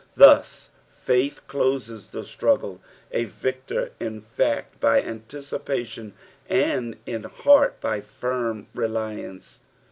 Thus faith closes tlie struggle, a victor in fact by anticipation, and in heart by Srm reliance.